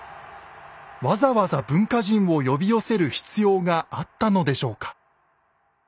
わざわざ文化人を呼び寄せる必要があったのでしょうか？